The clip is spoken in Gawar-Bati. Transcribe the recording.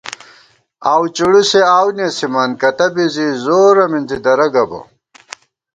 آؤوڄُڑُسے آؤو نېسِمان ، کتہ بی زی زورَہ مِنزی درہ گہ بہ